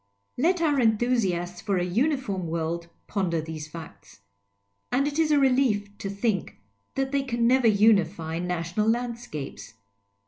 Let our 294 PICKLES AND PICARDS enthusiasts for a uniform world ponder these facts. And it is a rcUef to think that they can never unify national landscapes.